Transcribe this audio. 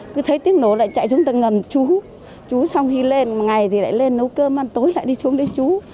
cứ thấy tiếng nổ lại chạy chúng ta ngầm chú chú xong khi lên ngày thì lại lên nấu cơm ăn tối lại đi chú